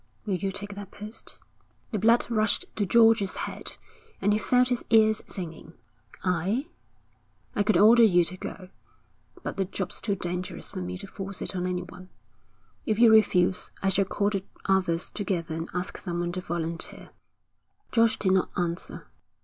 Will you take that post?' The blood rushed to George's head, and he felt his ears singing. 'I?' 'I could order you to go, but the job's too dangerous for me to force it on anyone. If you refuse I shall call the others together and ask someone to volunteer.' George did not answer.